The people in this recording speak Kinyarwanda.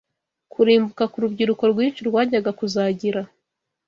Kurimbuka k’urubyiruko rwinshi rwajyaga kuzagira